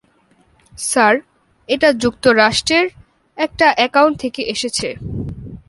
Sir, এটা যুক্তরাষ্ট্রের একটা অ্যাকাউন্ট থেকে এসেছে।